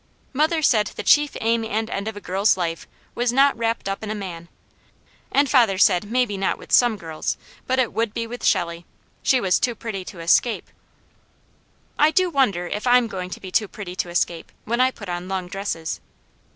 Mother said the chief aim and end of a girl's life was not wrapped up in a man; and father said maybe not with some girls, but it would be with Shelley: she was too pretty to escape. I do wonder if I'm going to be too pretty to escape, when I put on long dresses.